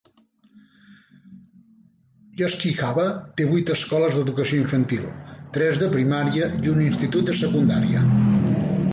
Yoshikawa té vuit escoles d'educació infantil, tres de primària i un institut de secundària.